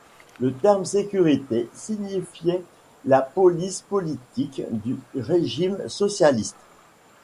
Le terme Sécurité signifiait la police politique du régime socialiste.